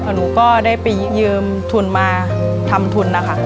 หนูก็ได้ไปยืมทุนมาทำทุนนะคะ